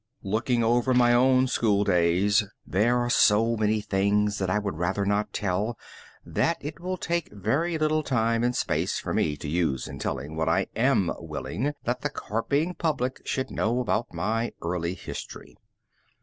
Looking over my own school days, there are so many things that I would rather not tell, that it will take very little time and space for me to use in telling what I am willing that the carping public should know about my early history.